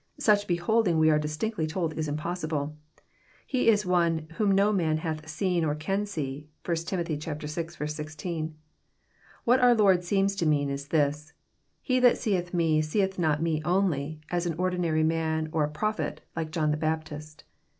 Such beholding we are distinctly told is impossible. He is one *' whom no man hath seen or can see." (1 Tim. vi. 16.) What our Lord seems to mean is this :He that seeth Me seeth not Me only, as an ordinary man or a Prophet, like John the Baptist.